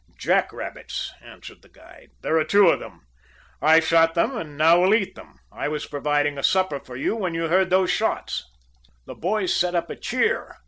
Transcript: "Jack rabbits," answered the guide. "There are two of them. I shot them, and now we'll eat them. I was providing a supper for you when you heard those shots." The boys set up a cheer.